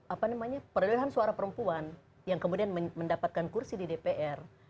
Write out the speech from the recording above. apa namanya perolehan suara perempuan yang kemudian mendapatkan kursi di dpr